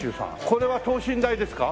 これは等身大ですか？